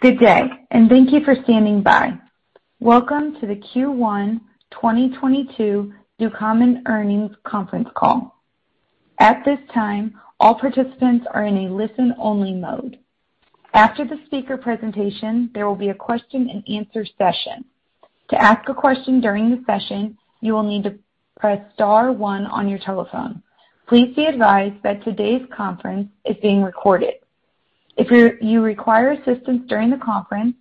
Good day, and thank you for standing by. Welcome to the Q1 2022 Ducommun Earnings Conference Call. At this time, all participants are in a listen-only mode. After the speaker presentation, there will be a question and answer session. To ask a question during the session, you will need to press star one on your telephone. Please be advised that today's conference is being recorded. If you require assistance during the conference,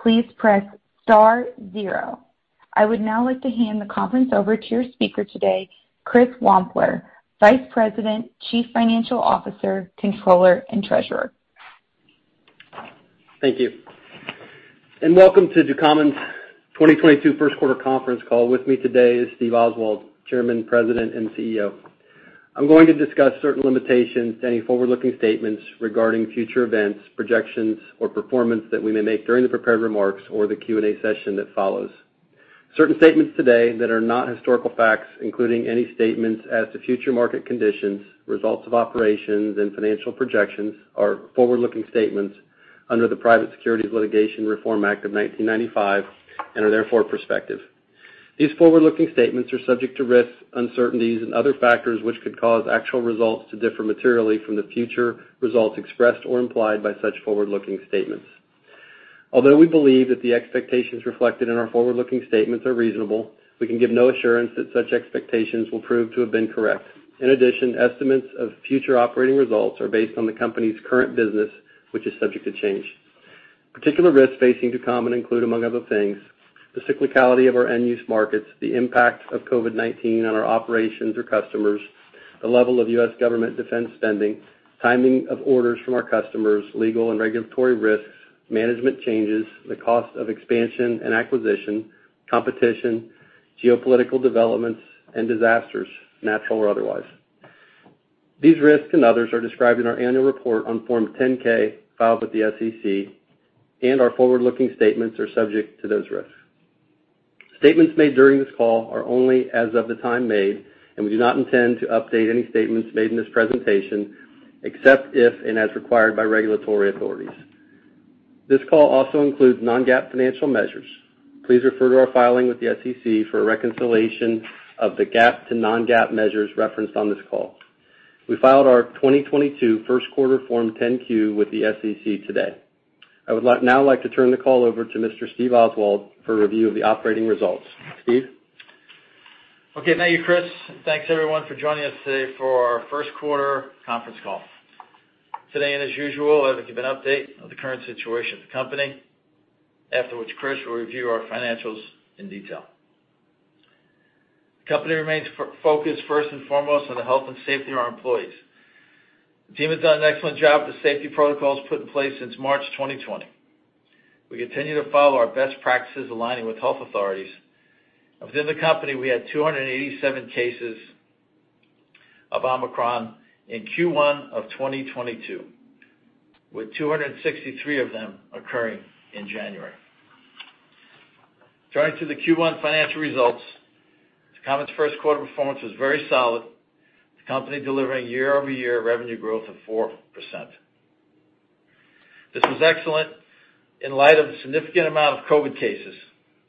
please press star zero. I would now like to hand the conference over to your speaker today, Christopher Wampler, Vice President, Chief Financial Officer, Controller, and Treasurer. Thank you, and welcome to Ducommun's 2022 First Quarter Conference Call. With me today is Steve Oswald, Chairman, President, and CEO. I'm going to discuss certain limitations to any forward-looking statements regarding future events, projections, or performance that we may make during the prepared remarks or the Q&A session that follows. Certain statements today that are not historical facts, including any statements as to future market conditions, results of operations, and financial projections are forward-looking statements under the Private Securities Litigation Reform Act of 1995 and are therefore prospective. These forward-looking statements are subject to risks, uncertainties and other factors which could cause actual results to differ materially from the future results expressed or implied by such forward-looking statements. Although we believe that the expectations reflected in our forward-looking statements are reasonable, we can give no assurance that such expectations will prove to have been correct. In addition, estimates of future operating results are based on the company's current business, which is subject to change. Particular risks facing Ducommun include, among other things, the cyclicality of our end-use markets, the impact of COVID-19 on our operations or customers, the level of U.S. government defense spending, timing of orders from our customers, legal and regulatory risks, management changes, the cost of expansion and acquisition, competition, geopolitical developments and disasters, natural or otherwise. These risks and others are described in our annual report on Form 10-K filed with the SEC, and our forward-looking statements are subject to those risks. Statements made during this call are only as of the time made, and we do not intend to update any statements made in this presentation, except if and as required by regulatory authorities. This call also includes non-GAAP financial measures. Please refer to our filing with the SEC for a reconciliation of the GAAP to non-GAAP measures referenced on this call. We filed our 2022 first quarter Form 10-Q with the SEC today. I would like now to turn the call over to Mr. Steve Oswald for a review of the operating results. Steve? Okay. Thank you, Chris. Thanks everyone for joining us today for our First Quarter Conference Call. Today and as usual, I will give an update of the current situation of the company. Afterwards, Chris will review our financials in detail. The company remains focused first and foremost on the health and safety of our employees. The team has done an excellent job with the safety protocols put in place since March 2020. We continue to follow our best practices aligning with health authorities. Within the company, we had 287 cases of Omicron in Q1 of 2022, with 263 of them occurring in January. Turning to the Q1 financial results, Ducommun's first quarter performance was very solid, with the company delivering year-over-year revenue growth of 4%. This was excellent in light of the significant amount of COVID cases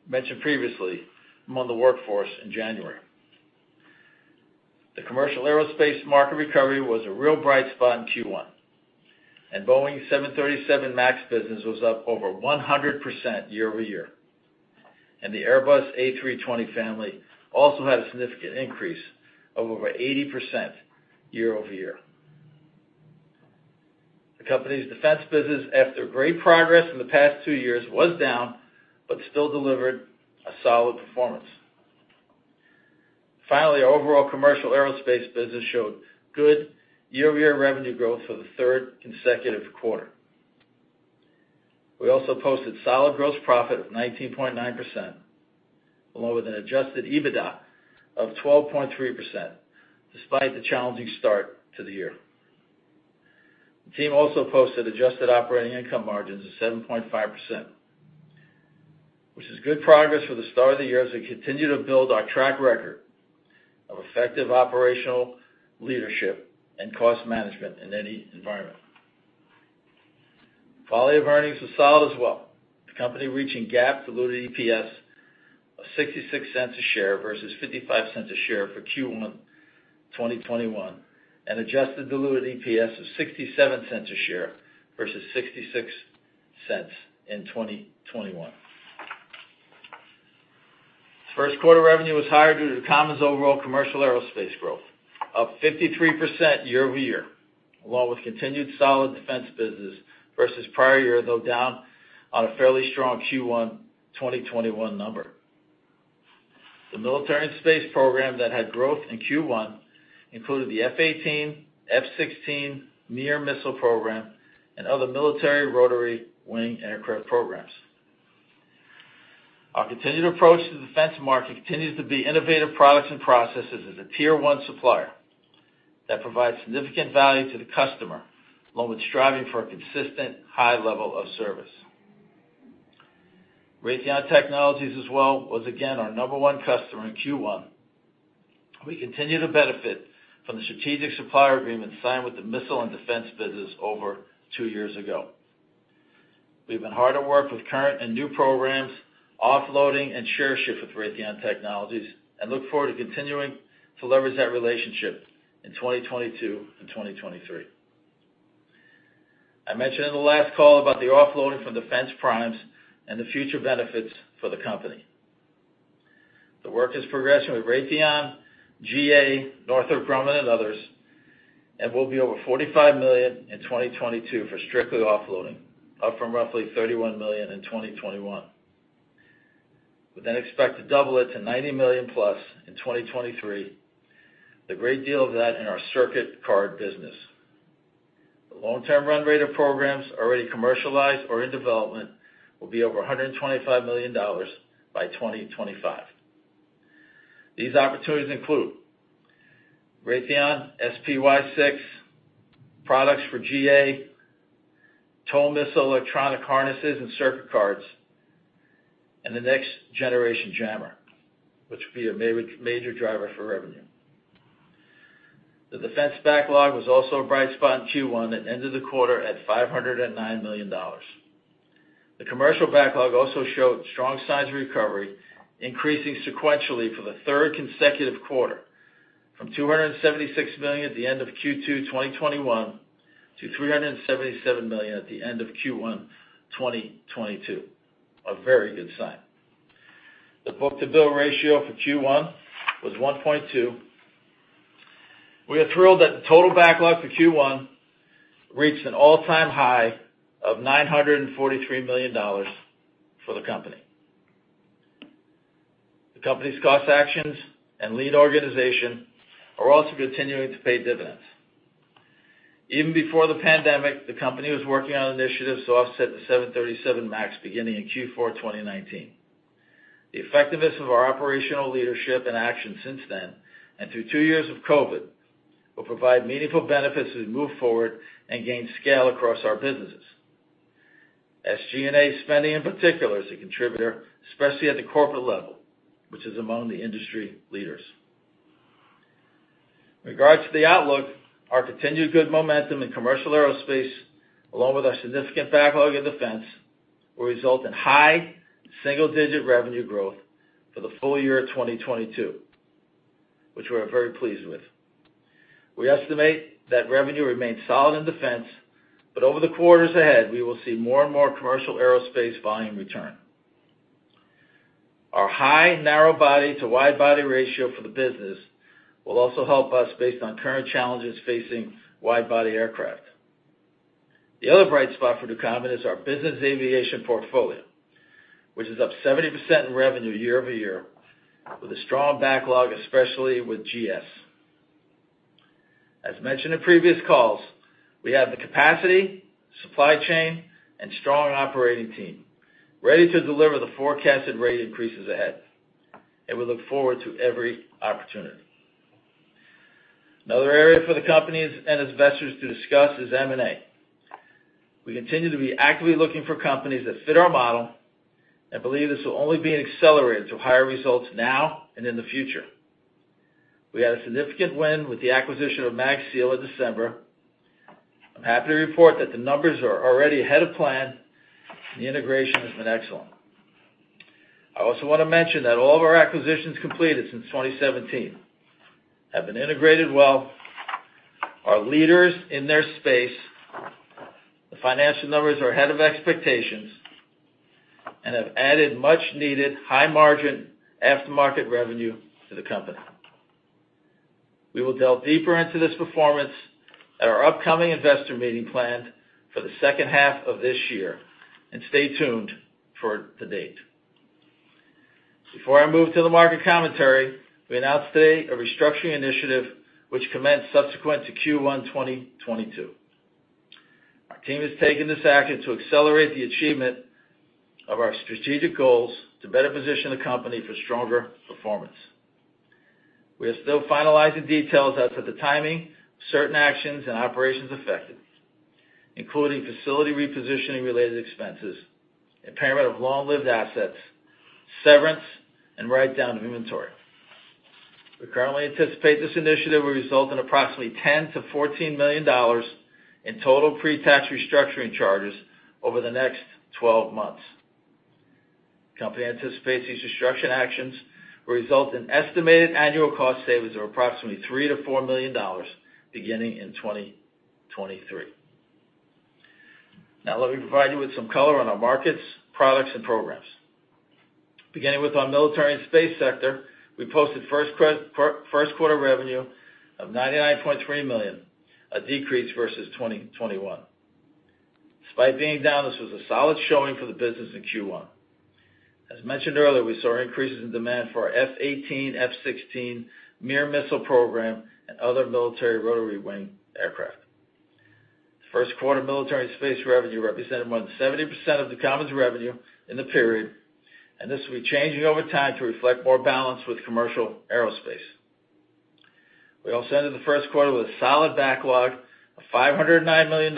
mentioned previously among the workforce in January. The commercial aerospace market recovery was a real bright spot in Q1, and Boeing 737 MAX business was up over 100% year-over-year. The Airbus A320 family also had a significant increase of over 80% year-over-year. The company's defense business, after great progress in the past two years, was down, but still delivered a solid performance. Finally, our overall commercial aerospace business showed good year-over-year revenue growth for the third consecutive quarter. We also posted solid gross profit of 19.9%, along with an djusted EBITDA of 12.3% despite the challenging start to the year. The team also posted adjusted operating income margins of 7.5%, which is good progress for the start of the year as we continue to build our track record of effective operational leadership and cost management in any environment. Quality of earnings was solid as well, the company reaching GAAP diluted EPS of $0.66 a share versus $0.55 a share for Q1 2021, and adjusted diluted EPS of $0.67 a share versus $0.66 in 2021. First quarter revenue was higher due to Ducommun's overall commercial aerospace growth, up 53% year-over-year, along with continued solid defense business versus prior year, though down on a fairly strong Q1 2021 number. The military and space program that had growth in Q1 included the F/A-18, F-16, AMRAAM missile program, and other military rotary wing aircraft programs. Our continued approach to the defense market continues to be innovative products and processes as a tier one supplier that provides significant value to the customer, along with striving for a consistent high level of service. Raytheon Technologies as well was again our number one customer in Q1. We continue to benefit from the strategic supplier agreement signed with the missile and defense business over two years ago. We've been hard at work with current and new programs, offloading and share shift with Raytheon Technologies, and look forward to continuing to leverage that relationship in 2022 and 2023. I mentioned in the last call about the offloading from defense primes and the future benefits for the company. The work is progressing with Raytheon, GA, Northrop Grumman, and others, and will be over $45 million in 2022 for strictly offloading, up from roughly $31 million in 2021. We expect to double it to $90 million-plus in 2023, a great deal of that in our circuit card business. The long-term run rate of programs already commercialized or in development will be over $125 million by 2025. These opportunities include Raytheon SPY-6, products for GA, TOW missile electronic harnesses and circuit cards, and the Next Generation Jammer, which will be a major driver for revenue. The defense backlog was also a bright spot in Q1 and ended the quarter at $509 million. The commercial backlog also showed strong signs of recovery, increasing sequentially for the third consecutive quarter from $276 million at the end of Q2 2021 to $377 million at the end of Q1 2022. A very good sign. The book-to-bill ratio for Q1 was 1.2. We are thrilled that the total backlog for Q1 reached an all-time high of $943 million for the company. The company's cost actions and lean organization are also continuing to pay dividends. Even before the pandemic, the company was working on initiatives to offset the 737 MAX beginning in Q4 2019. The effectiveness of our operational leadership and action since then and through two years of COVID will provide meaningful benefits as we move forward and gain scale across our businesses. SG&A spending in particular is a contributor, especially at the corporate level, which is among the industry leaders. In regards to the outlook, our continued good momentum in commercial aerospace, along with our significant backlog in defense, will result in high single-digit revenue growth for the full year 2022, which we're very pleased with. We estimate that revenue remains solid in defense, but over the quarters ahead, we will see more and more commercial aerospace volume return. Our high narrow body to wide body ratio for the business will also help us based on current challenges facing wide body aircraft. The other bright spot for Ducommun is our business aviation portfolio, which is up 70% in revenue year-over-year, with a strong backlog, especially with GS. As mentioned in previous calls, we have the capacity, supply chain, and strong operating team ready to deliver the forecasted rate increases ahead, and we look forward to every opportunity. Another area for the company and its investors to discuss is M&A. We continue to be actively looking for companies that fit our model and believe this will only be an accelerator to higher results now and in the future. We had a significant win with the acquisition of MagSeal in December. I'm happy to report that the numbers are already ahead of plan. The integration has been excellent. I also wanna mention that all of our acquisitions completed since 2017 have been integrated well, are leaders in their space. The financial numbers are ahead of expectations and have added much needed high margin aftermarket revenue to the company. We will delve deeper into this performance at our upcoming investor meeting planned for the second half of this year. Stay tuned for the date. Before I move to the market commentary, we announced today a restructuring initiative which commenced subsequent to Q1 2022. Our team has taken this action to accelerate the achievement of our strategic goals to better position the company for stronger performance. We are still finalizing details as to the timing, certain actions, and operations affected, including facility repositioning related expenses and payment of long-lived assets, severance, and write-down of inventory. We currently anticipate this initiative will result in approximately $10-$14 million in total pre-tax restructuring charges over the next twelve months. Company anticipates these restructuring actions will result in estimated annual cost savings of approximately $3-$4 million beginning in 2023. Now, let me provide you with some color on our markets, products, and programs. Beginning with our military and space sector, we posted first quarter revenue of $99.3 million, a decrease versus 2021. Despite being down, this was a solid showing for the business in Q1. As mentioned earlier, we saw increases in demand for our F/A-18, F-16, AMRAAM missile program, and other military rotary wing aircraft. First quarter military space revenue represented more than 70% of Ducommun's revenue in the period, and this will be changing over time to reflect more balance with commercial aerospace. We also ended the first quarter with a solid backlog of $509 million,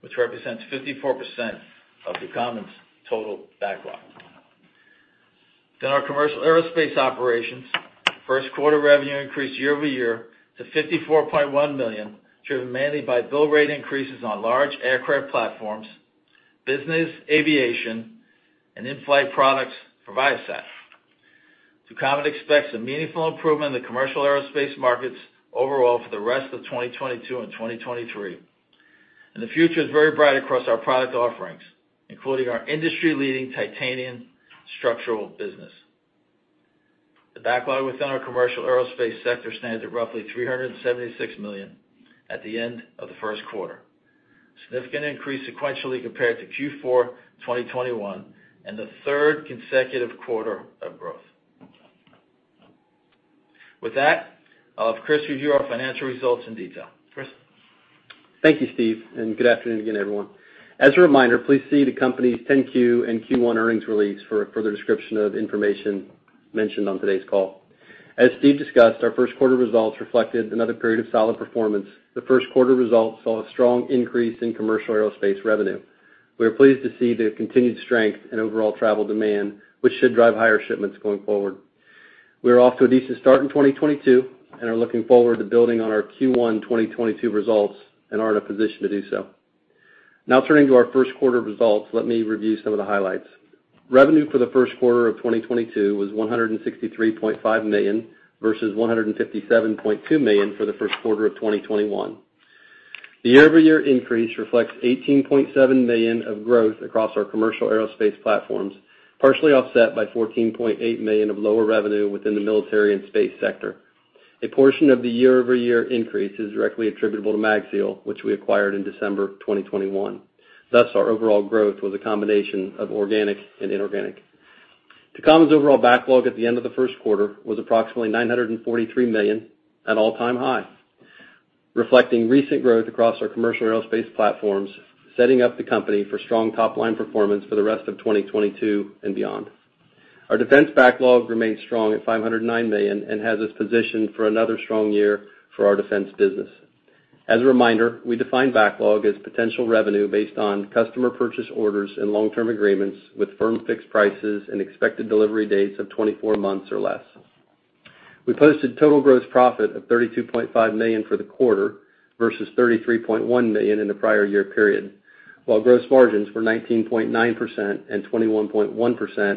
which represents 54% of Ducommun's total backlog. Our commercial aerospace operations, first quarter revenue increased year-over-year to $54.1 million, driven mainly by bill rate increases on large aircraft platforms, business aviation, and in-flight products for Viasat. Ducommun expects a meaningful improvement in the commercial aerospace markets overall for the rest of 2022 and 2023. The future is very bright across our product offerings, including our industry-leading titanium structural business. The backlog within our commercial aerospace sector stands at roughly $376 million at the end of the first quarter. Significant increase sequentially compared to Q4 2021, and the third consecutive quarter of growth. With that, I'll have Chris review our financial results in detail. Chris? Thank you, Steve, and good afternoon again, everyone. As a reminder, please see the company's 10-Q and Q1 earnings release for the description of information mentioned on today's call. As Steve discussed, our first quarter results reflected another period of solid performance. The first quarter results saw a strong increase in commercial aerospace revenue. We are pleased to see the continued strength in overall travel demand, which should drive higher shipments going forward. We are off to a decent start in 2022 and are looking forward to building on our Q1 2022 results and are in a position to do so. Now turning to our first quarter results, let me review some of the highlights. Revenue for the first quarter of 2022 was $163.5 million, versus $157.2 million for the first quarter of 2021. The year-over-year increase reflects $18.7 million of growth across our commercial aerospace platforms, partially offset by $14.8 million of lower revenue within the military and space sector. A portion of the year-over-year increase is directly attributable to MagSeal, which we acquired in December 2021. Thus, our overall growth was a combination of organic and inorganic. Ducommun's overall backlog at the end of the first quarter was approximately $943 million, an all-time high, reflecting recent growth across our commercial aerospace platforms, setting up the company for strong top-line performance for the rest of 2022 and beyond. Our defense backlog remains strong at $509 million and has us positioned for another strong year for our defense business. As a reminder, we define backlog as potential revenue based on customer purchase orders and long-term agreements with firm fixed prices and expected delivery dates of 24 months or less. We posted total gross profit of $32.5 million for the quarter versus $33.1 million in the prior year period, while gross margins were 19.9% and 21.1%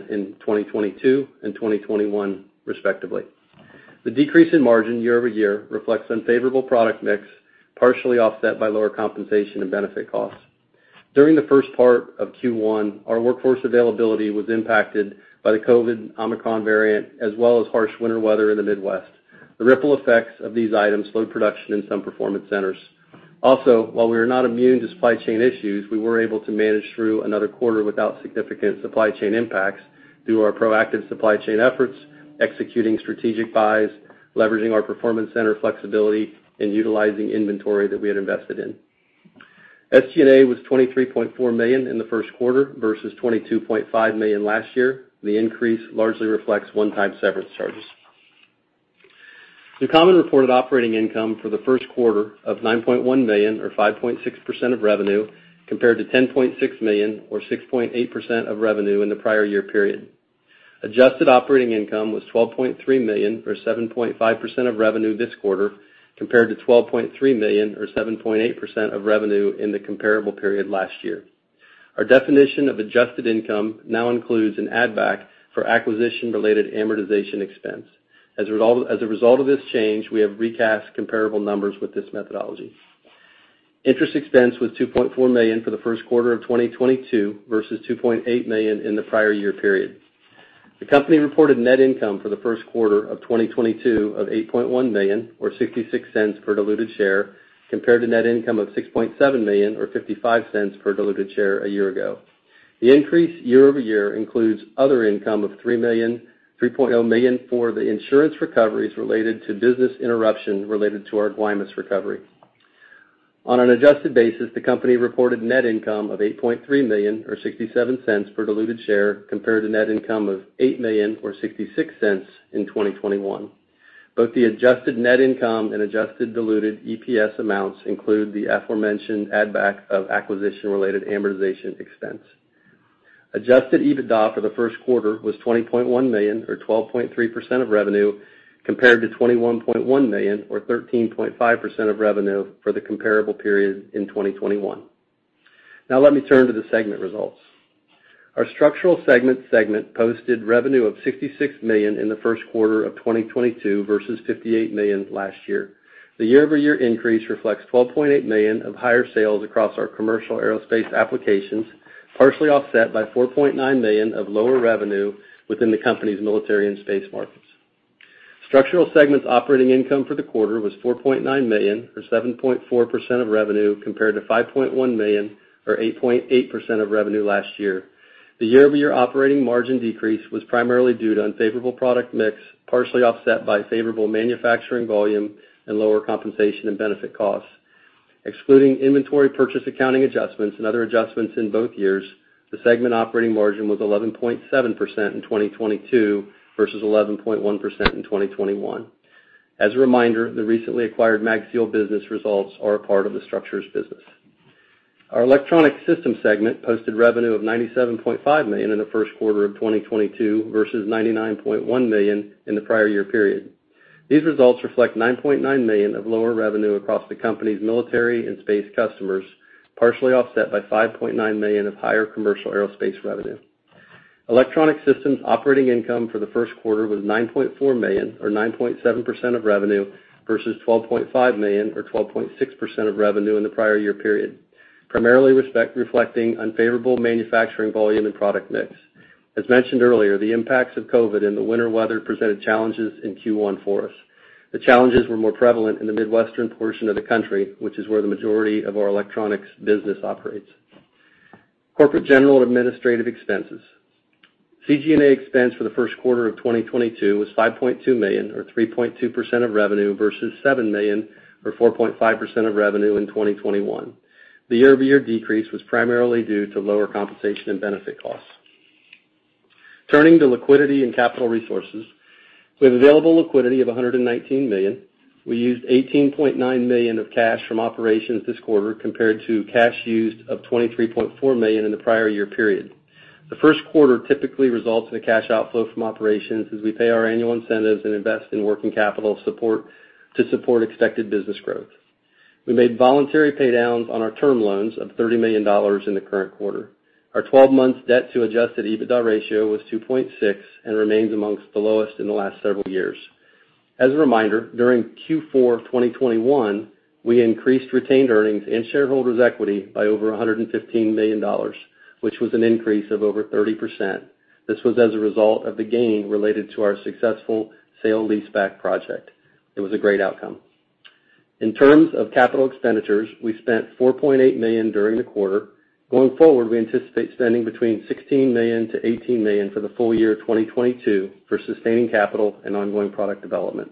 in 2022 and 2021 respectively. The decrease in margin year-over-year reflects unfavorable product mix, partially offset by lower compensation and benefit costs. During the first part of Q1, our workforce availability was impacted by the COVID Omicron variant as well as harsh winter weather in the Midwest. The ripple effects of these items slowed production in some performance centers. Also, while we are not immune to supply chain issues, we were able to manage through another quarter without significant supply chain impacts through our proactive supply chain efforts, executing strategic buys, leveraging our performance center flexibility, and utilizing inventory that we had invested in. SG&A was $23.4 million in the first quarter versus $22.5 million last year. The increase largely reflects one-time severance charges. Ducommun reported operating income for the first quarter of $9.1 million or 5.6% of revenue, compared to $10.6 million or 6.8% of revenue in the prior year period. Adjusted operating income was $12.3 million or 7.5% of revenue this quarter, compared to $12.3 million or 7.8% of revenue in the comparable period last year. Our definition of adjusted income now includes an add back for acquisition-related amortization expense. As a result of this change, we have recast comparable numbers with this methodology. Interest expense was $2.4 million for the first quarter of 2022 versus $2.8 million in the prior year period. The company reported net income for the first quarter of 2022 of $8.1 million or $0.66 per diluted share, compared to net income of $6.7 million or $0.55 per diluted share a year ago. The increase year-over-year includes other income of $3.0 million for the insurance recoveries related to business interruption related to our Guaymas recovery. On an adjusted basis, the company reported net income of $8.3 million or $0.67 per diluted share compared to net income of $8 million or $0.66 in 2021. Both the adjusted net income and adjusted diluted EPS amounts include the aforementioned add back of acquisition-related amortization expense. Adjusted EBITDA for the first quarter was $20.1 million or 12.3% of revenue, compared to $21.1 million or 13.5% of revenue for the comparable period in 2021. Now let me turn to the segment results. Our structural segment posted revenue of $66 million in the first quarter of 2022 versus $58 million last year. The year-over-year increase reflects $12.8 million of higher sales across our commercial aerospace applications, partially offset by $4.9 million of lower revenue within the company's military and space markets. Structural segment's operating income for the quarter was $4.9 million or 7.4% of revenue, compared to $5.1 million or 8.8% of revenue last year. The year-over-year operating margin decrease was primarily due to unfavorable product mix, partially offset by favorable manufacturing volume and lower compensation and benefit costs. Excluding inventory purchase accounting adjustments and other adjustments in both years, the segment operating margin was 11.7% in 2022 versus 11.1% in 2021. As a reminder, the recently acquired MagSeal business results are a part of the structures business. Our Electronic Systems segment posted revenue of $97.5 million in the first quarter of 2022 versus $99.1 million in the prior year period. These results reflect $9.9 million of lower revenue across the company's military and space customers, partially offset by $5.9 million of higher commercial aerospace revenue. Electronic Systems operating income for the first quarter was $9.4 million or 9.7% of revenue versus $12.5 million or 12.6% of revenue in the prior year period, primarily reflecting unfavorable manufacturing volume and product mix. As mentioned earlier, the impacts of COVID and the winter weather presented challenges in Q1 for us. The challenges were more prevalent in the Midwestern portion of the country, which is where the majority of our electronics business operates. Corporate general and administrative expenses. CG&A expense for the first quarter of 2022 was $5.2 million or 3.2% of revenue versus $7 million or 4.5% of revenue in 2021. The year-over-year decrease was primarily due to lower compensation and benefit costs. Turning to liquidity and capital resources. With available liquidity of $119 million, we used $18.9 million of cash from operations this quarter compared to cash used of $23.4 million in the prior year period. The first quarter typically results in a cash outflow from operations as we pay our annual incentives and invest in working capital support to support expected business growth. We made voluntary pay downs on our term loans of $30 million in the current quarter. Our 12-month debt to Adjusted EBITDA ratio was 2.6 and remains among the lowest in the last several years. As a reminder, during Q4 of 2021, we increased retained earnings and shareholders equity by over $115 million, which was an increase of over 30%. This was as a result of the gain related to our successful sale leaseback project. It was a great outcome. In terms of capital expenditures, we spent $4.8 million during the quarter. Going forward, we anticipate spending between $16 million-$18 million for the full year of 2022 for sustaining capital and ongoing product development.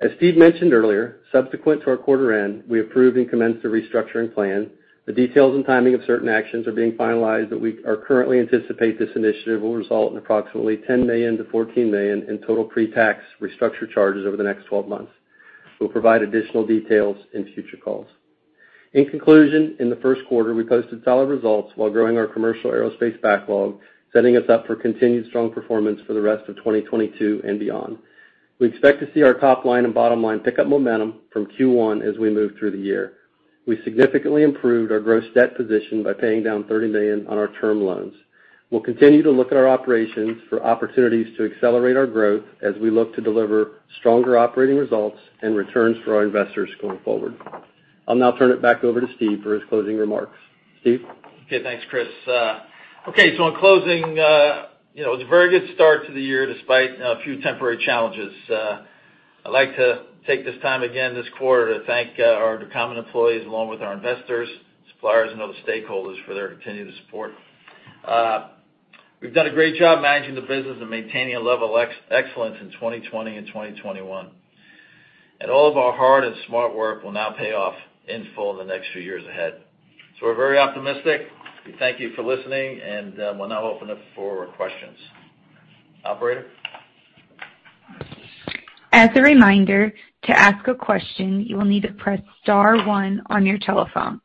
As Steve mentioned earlier, subsequent to our quarter end, we approved and commenced the restructuring plan. The details and timing of certain actions are being finalized, but we currently anticipate this initiative will result in approximately $10 million-$14 million in total pre-tax restructure charges over the next 12 months. We'll provide additional details in future calls. In conclusion, in the first quarter, we posted solid results while growing our commercial aerospace backlog, setting us up for continued strong performance for the rest of 2022 and beyond. We expect to see our top line and bottom line pick up momentum from Q1 as we move through the year. We significantly improved our gross debt position by paying down $30 million on our term loans. We'll continue to look at our operations for opportunities to accelerate our growth as we look to deliver stronger operating results and returns for our investors going forward. I'll now turn it back over to Steve for his closing remarks. Steve? Okay, thanks, Chris. Okay, so in closing, you know, it's a very good start to the year despite a few temporary challenges. I'd like to take this time again this quarter to thank our Ducommun employees along with our investors, suppliers, and other stakeholders for their continued support. We've done a great job managing the business and maintaining a level of excellence in 2020 and 2021. All of our hard and smart work will now pay off in full in the next few years ahead. We're very optimistic. We thank you for listening, and we'll now open up for questions. Operator? As a reminder, to ask a question, you will need to press star one on your telephone.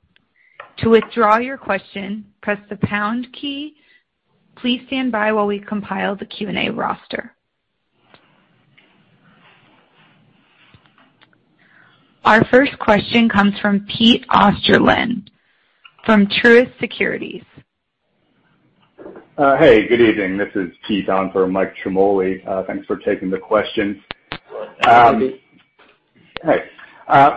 To withdraw your question, press the pound key. Please stand by while we compile the Q&A roster. Our first question comes from Peter Osterland, from Truist Securities. Hey, good evening. This is Pete on for Michael Ciarmoli. Thanks for taking the questions. Thanks, Pete. Hey,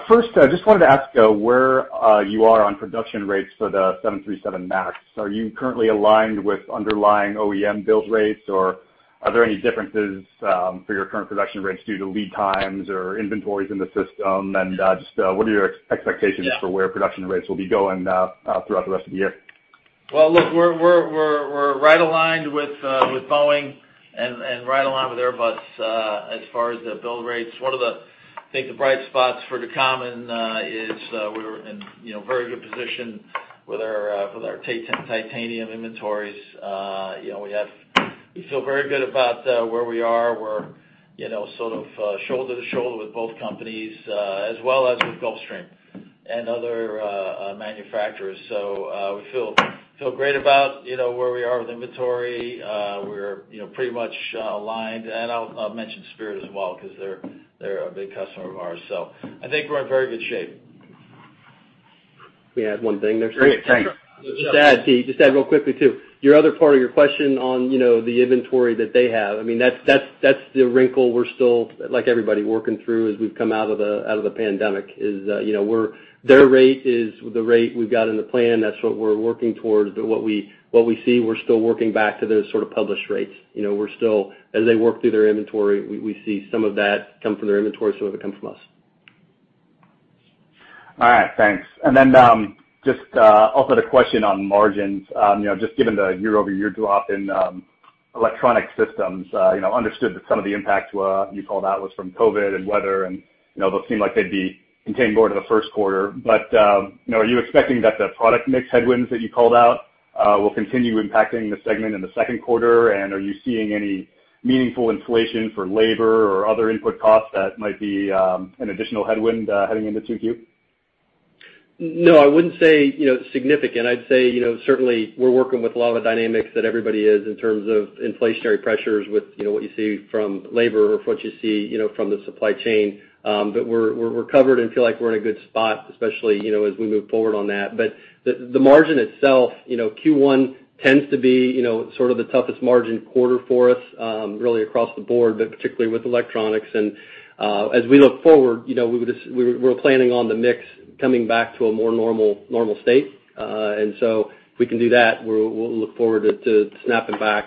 first, I just wanted to ask, where you are on production rates for the 737 MAX. Are you currently aligned with underlying OEM build rates, or are there any differences for your current production rates due to lead times or inventories in the system? Just, what are your expectations for where production rates will be going throughout the rest of the year? Look, we're right aligned with Boeing and right aligned with Airbus as far as the build rates. One of the, I think the bright spots for Ducommun is we're in, you know, very good position with our titanium inventories. You know, we feel very good about where we are. We're, you know, sort of shoulder to shoulder with both companies as well as with Gulfstream and other manufacturers. We feel great about, you know, where we are with inventory. We're, you know, pretty much aligned. I'll mention Spirit as well because they're a big customer of ours. I think we're in very good shape. May I add one thing there, Steve? Great. Thanks. Just to add, Pete, real quickly too. Your other part of your question on, you know, the inventory that they have. I mean, that's the wrinkle we're still, like everybody, working through as we've come out of the pandemic, is, you know, their rate is the rate we've got in the plan. That's what we're working towards. What we see, we're still working back to those sort of published rates. You know, we're still, as they work through their inventory, we see some of that come from their inventory, some of it comes from us. All right. Thanks. Just also the question on margins. You know, just given the year-over-year drop in Electronic Systems, you know, understood that some of the impacts were, you called out was from COVID and weather and, you know, those seem like they'd be contained more to the first quarter. You know, are you expecting that the product mix headwinds that you called out will continue impacting the segment in the second quarter? Are you seeing any meaningful inflation for labor or other input costs that might be an additional headwind heading into 2Q? No, I wouldn't say, you know, significant. I'd say, you know, certainly we're working with a lot of the dynamics that everybody is in terms of inflationary pressures with, you know, what you see from labor, what you see, you know, from the supply chain. But we're covered and feel like we're in a good spot, especially, you know, as we move forward on that. The margin itself, you know, Q1 tends to be, you know, sort of the toughest margin quarter for us, really across the board, but particularly with electronics. As we look forward, you know, we're planning on the mix coming back to a more normal state. If we can do that, we'll look forward to snapping back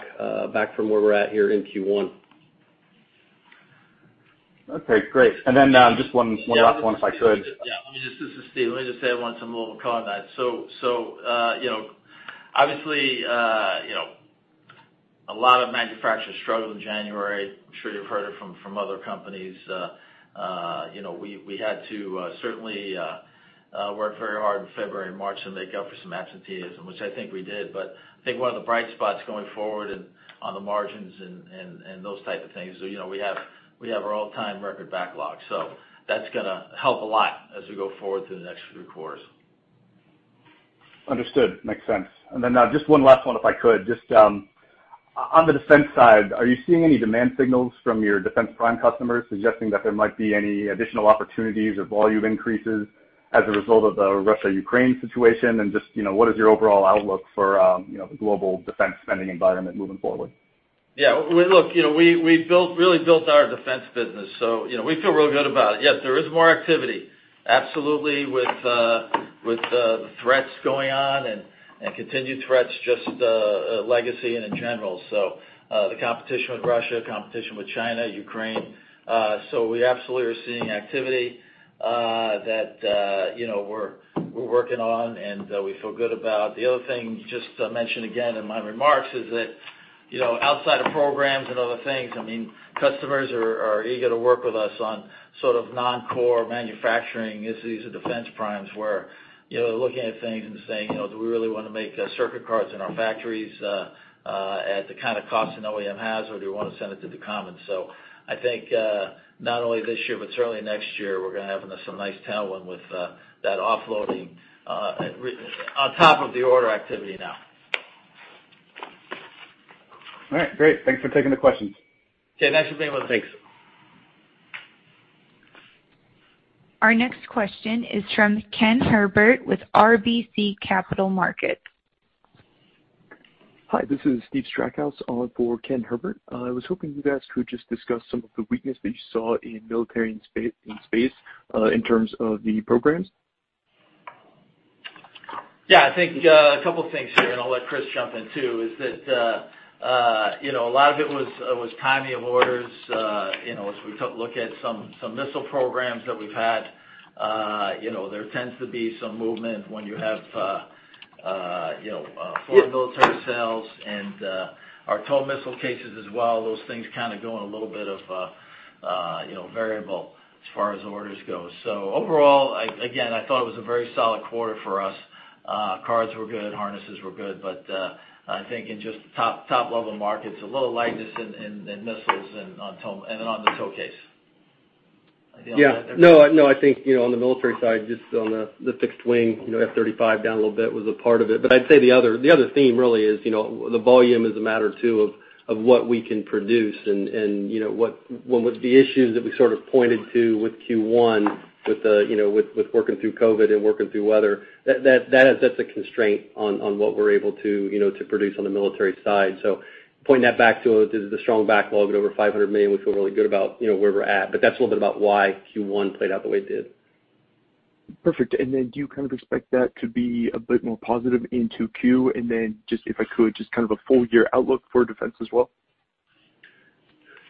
from where we're at here in Q1. Okay, great. Just one last one, if I could. Yeah. This is Steve. Let me just say one, some little comment. You know, obviously, a lot of manufacturers struggled in January. I'm sure you've heard it from other companies. You know, we had to certainly work very hard in February and March to make up for some absenteeism, which I think we did. I think one of the bright spots going forward and on the margins and those type of things is, you know, we have our all-time record backlog. That's gonna help a lot as we go forward through the next few quarters. Understood. Makes sense. Just one last one, if I could. Just, on the defense side, are you seeing any demand signals from your defense prime customers suggesting that there might be any additional opportunities or volume increases as a result of the Russia-Ukraine situation? Just, you know, what is your overall outlook for, you know, the global defense spending environment moving forward? Yeah, well, look, you know, we really built our defense business, so, you know, we feel real good about it. Yes, there is more activity, absolutely with the threats going on and continued threats, just legacy and in general. The competition with Russia, competition with China, Ukraine. We absolutely are seeing activity that you know, we're working on, and we feel good about. The other thing just to mention again in my remarks is that, you know, outside of programs and other things, I mean, customers are eager to work with us on sort of non-core manufacturing issues of defense primes where, you know, they're looking at things and saying, you know, "Do we really wanna make circuit cards in our factories at the kind of cost an OEM has, or do we wanna send it to the commons?" So I think not only this year, but certainly next year, we're gonna have some nice tailwind with that offloading on top of the order activity now. All right. Great. Thanks for taking the questions. Okay, thanks for being with us. Thanks. Our next question is from Ken Herbert with RBC Capital Markets. Hi, this is Stephen Strackhouse on for Ken Herbert. I was hoping you guys could just discuss some of the weakness that you saw in military and in space, in terms of the programs. Yeah, I think a couple things here, and I'll let Chris jump in too, is that you know, a lot of it was timing of orders. You know, as we took a look at some missile programs that we've had, you know, there tends to be some movement when you have you know, foreign military sales and our TOW missile cases as well. Those things kinda go in a little bit of you know, variability as far as orders go. Overall, again, I thought it was a very solid quarter for us. Cards were good, harnesses were good, but I think in just top level markets, a little lightness in missiles and on TOW, and on the TOW case. Yeah. No, no, I think, you know, on the military side, just on the fixed wing, you know, F-35 down a little bit was a part of it. But I'd say the other theme really is, you know, the volume is a matter too of what we can produce and, you know, one was the issues that we sort of pointed to with Q1 with the, you know, working through COVID and working through weather. That is a constraint on what we're able to, you know, produce on the military side. Pointing that back to the strong backlog at over $500 million, we feel really good about, you know, where we're at, but that's a little bit about why Q1 played out the way it did. Perfect. Do you kind of expect that to be a bit more positive in 2Q? Just if I could, just kind of a full year outlook for defense as well.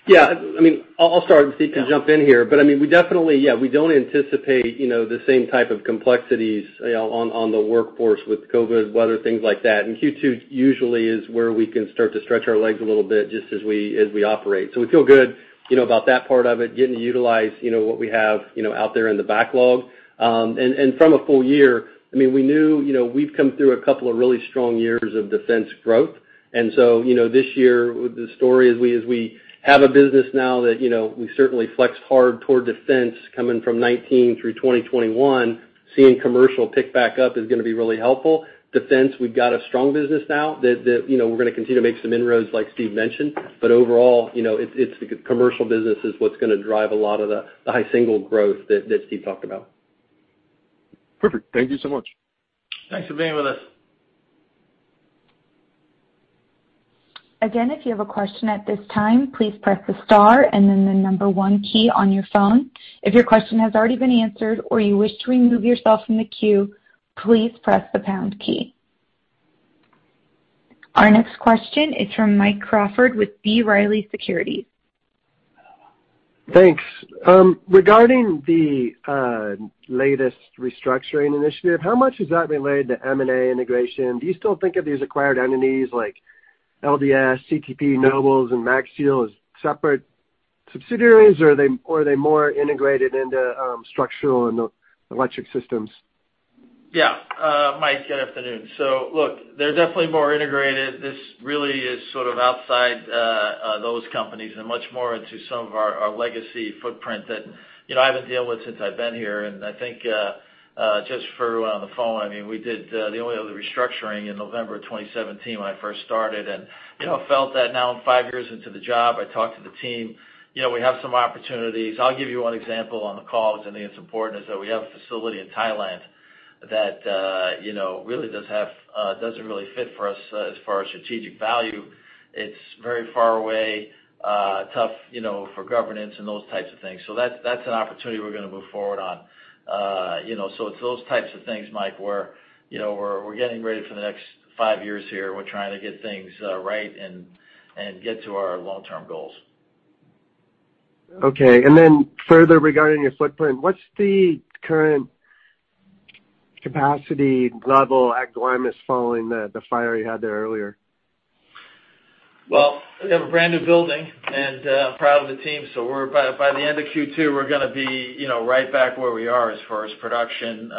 Yeah. I mean, I'll start and Steve can jump in here. I mean, we definitely, yeah, we don't anticipate, you know, the same type of complexities, you know, on the workforce with COVID, weather, things like that. Q2 usually is where we can start to stretch our legs a little bit just as we operate. We feel good, you know, about that part of it, getting to utilize, you know, what we have, you know, out there in the backlog. From a full year, I mean, we knew, you know, we've come through a couple of really strong years of defense growth. You know, this year, the story is we, as we have a business now that, you know, we certainly flexed hard toward defense coming from 2019 through 2021, seeing commercial pick back up is gonna be really helpful. Defense, we've got a strong business now that, you know, we're gonna continue to make some inroads like Steve mentioned. Overall, you know, it's the commercial business is what's gonna drive a lot of the high single growth that Steve talked about. Perfect. Thank you so much. Thanks for being with us. Again, if you have a question at this time, please press the star and then the number one key on your phone. If your question has already been answered or you wish to remove yourself from the queue, please press the pound key. Our next question is from Mike Crawford with B. Riley Securities. Thanks. Regarding the latest restructuring initiative, how much is that related to M&A integration? Do you still think of these acquired entities like LDS, CTP, Nobles, and MagSeal as separate subsidiaries, or are they more integrated into structural and the Electronic Systems? Yeah. Mike, good afternoon. So look, they're definitely more integrated. This really is sort of outside those companies and much more into some of our legacy footprint that, you know, I've been dealing with since I've been here. I think just for everyone on the phone, I mean, we did the only other restructuring in November of 2017 when I first started. You know, felt that now I'm five years into the job, I talked to the team, you know, we have some opportunities. I'll give you one example on the call, because I think it's important, is that we have a facility in Thailand that, you know, doesn't really fit for us as far as strategic value. It's very far away, tough, you know, for governance and those types of things. That's an opportunity we're gonna move forward on. You know, it's those types of things, Mike, where you know, we're getting ready for the next five years here. We're trying to get things right and get to our long-term goals. Okay. Further regarding your footprint, what's the current capacity level at Guaymas following the fire you had there earlier? Well, we have a brand-new building, and proud of the team. By the end of Q2, we're gonna be, you know, right back where we are as far as production.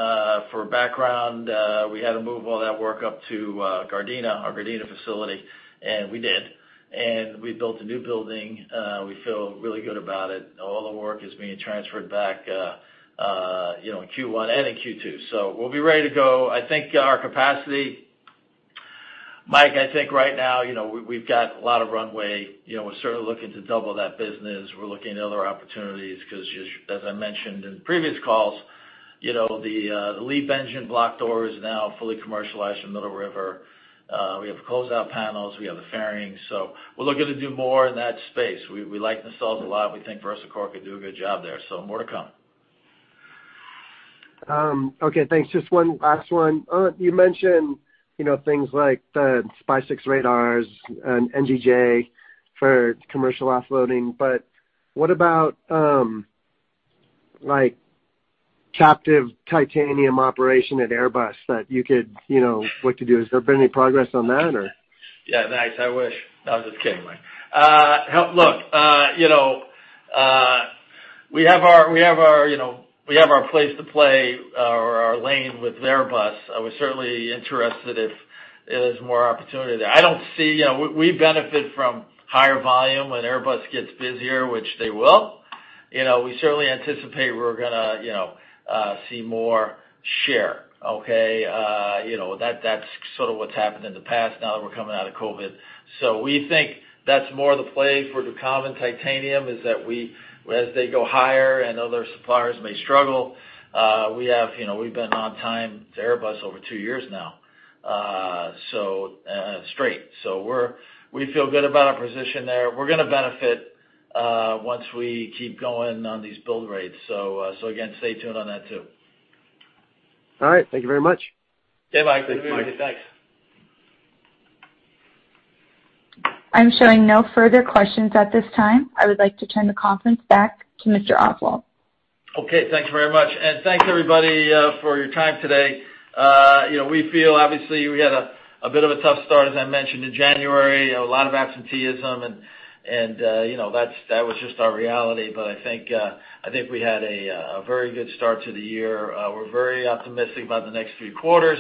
For background, we had to move all that work up to Gardena, our Gardena facility, and we did. We built a new building. We feel really good about it. All the work is being transferred back, you know, in Q1 and in Q2. We'll be ready to go. I think our capacity. Mike, I think right now, you know, we've got a lot of runway. You know, we're certainly looking to double that business. We're looking at other opportunities, 'cause as I mentioned in previous calls, you know, the LEAP engine block door is now fully commercialized from Middle River. We have closeout panels. We have the fairing. We're looking to do more in that space. We like the sales a lot. We think VersaCore could do a good job there, so more to come. Okay, thanks. Just one last one. You mentioned, you know, things like the SPY-6 radars and NGJ for commercial offloading, but what about, like, captive titanium operation at Airbus that you could, you know, look to do? Has there been any progress on that or? Yeah, nice. I wish. I was just kidding, Mike. Look, you know, we have our place to play or our lane with Airbus. I was certainly interested if it is more opportunity there. I don't see. You know, we benefit from higher volume when Airbus gets busier, which they will. You know, we certainly anticipate we're gonna, you know, see more share, okay? You know, that's sort of what's happened in the past now that we're coming out of COVID. So we think that's more the play for Ducommun titanium is that we as they go higher and other suppliers may struggle, we have, you know, we've been on time to Airbus over two years now, so straight. So we feel good about our position there. We're gonna benefit once we keep going on these build rates. Again, stay tuned on that too. All right. Thank you very much. Okay, bye. Thanks, Mike. Thanks. I'm showing no further questions at this time. I would like to turn the conference back to Mr. Oswald. Okay. Thank you very much, and thanks everybody for your time today. You know, we feel obviously we had a bit of a tough start, as I mentioned, in January. You know, a lot of absenteeism and you know, that was just our reality. I think we had a very good start to the year. We're very optimistic about the next few quarters.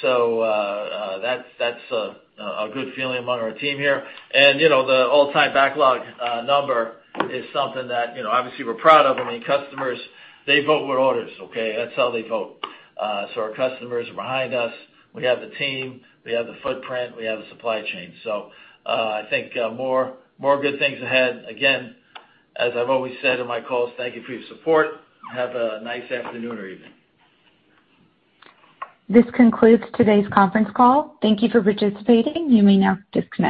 That's a good feeling among our team here. You know, the all-time backlog number is something that, you know, obviously we're proud of. I mean, customers, they vote with orders, okay? That's how they vote. Our customers are behind us. We have the team. We have the footprint. We have the supply chain. I think more good things ahead. Again, as I've always said in my calls, thank you for your support. Have a nice afternoon or evening. This concludes today's conference call. Thank you for participating. You may now disconnect.